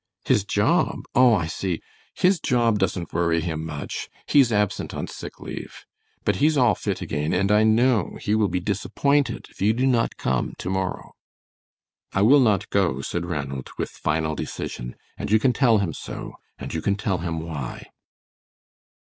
"His job? Oh, I see. His job doesn't worry him much. He's absent on sick leave. But he's all fit again and I know he will be disappointed if you do not come to morrow." "I will not go," said Ranald, with final decision, "and you can tell him so, and you can tell him why."